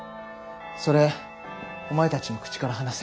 それお前たちの口から話せ。